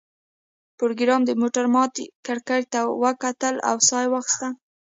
پروګرامر د موټر ماتې کړکۍ ته وکتل او ساه یې واخیسته